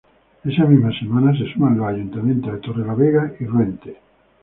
Esa misma semana se suman los ayuntamientos de Torrelavega y Ruente.